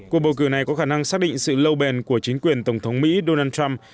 cuộc bầu cử này có khả năng xác định sự lâu bền của chính quyền tổng thống mỹ donald trump